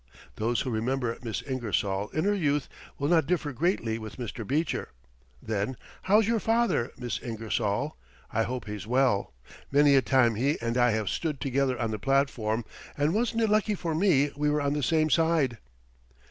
Those who remember Miss Ingersoll in her youth will not differ greatly with Mr. Beecher. Then: "How's your father, Miss Ingersoll? I hope he's well. Many a time he and I have stood together on the platform, and wasn't it lucky for me we were on the same side!"